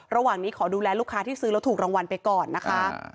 ระหว่างนี้ขอดูแลลูกค้าที่ซื้อแล้วถูกรางวัลไปก่อนนะคะ